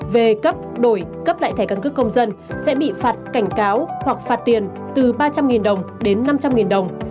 về cấp đổi cấp lại thẻ căn cước công dân sẽ bị phạt cảnh cáo hoặc phạt tiền từ ba trăm linh đồng đến năm trăm linh đồng